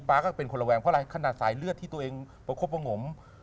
ป๊าก็เป็นคนหวัดระแวงเพราะแรกขนาดสายเลือดที่ตัวเองประคบพงศ์